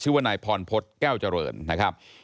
ว่านายพรพฤษแก้วเจริญนะครับ